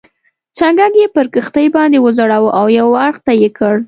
چنګک یې پر کښتۍ باندې وځړاوه او یو اړخ ته یې کړ.